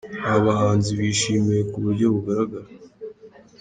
Aba bahanzi bishimiwe ku buryo bugaragara.